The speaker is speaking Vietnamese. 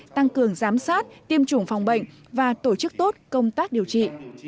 tăng cường giám sát tiêm chủng phòng bệnh và tổ chức tốt công tác điều trị